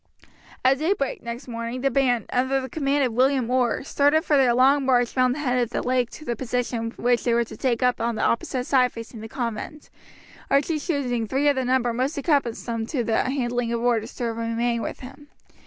At daybreak next morning the band, under the command of William Orr, started for their long march round the head of the lake to the position which they were to take up on the opposite side facing the convent, Archie choosing three of the number most accustomed to the handling of oars to remain with him.